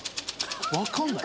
わかんない。